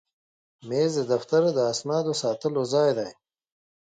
مېز د دفتر د اسنادو ساتلو ځای دی.